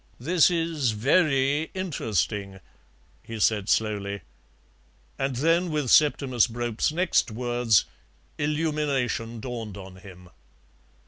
"This is VERY interesting," he said slowly. And then, with Septimus Brope's next words, illumination dawned on him.